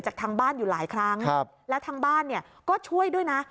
จากทางบ้านอยู่หลายครั้งแล้วทางบ้านเนี่ยก็ช่วยด้วยนะ